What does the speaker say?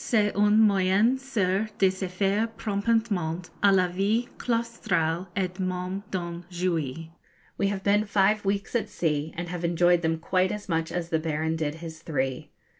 C'est un moyen sûr de se faire promptement à la vie claustrale et même d'en jouir.' We have been five weeks at sea, and have enjoyed them quite as much as the Baron did his three.